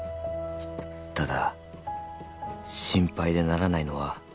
「ただ心配でならないのは」